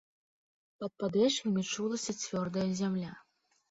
Пад падэшвамі чулася цвёрдая зямля.